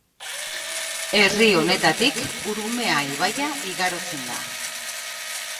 Herri honetatik Urumea ibaia igarotzen da.